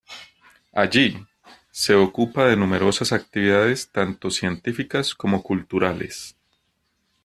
Allí, se ocupa de numerosas actividades tanto científicas como culturales.